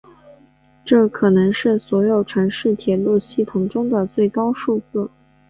这可能是所有城市铁路系统中的最高数字。